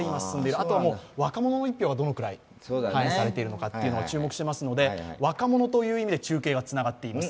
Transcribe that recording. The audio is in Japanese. あとは若者の１票がどのくらい反映されてるか注目されてますので若者という意味で、中継がつながっています。